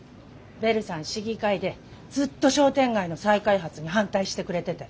ベルさん市議会でずっと商店街の再開発に反対してくれてて。